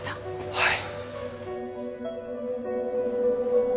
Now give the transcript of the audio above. はい。